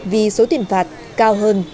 vì số tiền phạt cao hơn